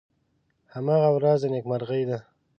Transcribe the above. هماغه ورځ د نیکمرغۍ ده .